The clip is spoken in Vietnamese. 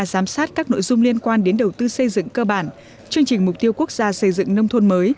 giám sát các nội dung liên quan đến đầu tư xây dựng cơ bản chương trình mục tiêu quốc gia xây dựng nông thôn mới